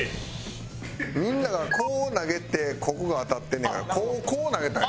みんながこう投げてここが当たってんねんからこう投げたら。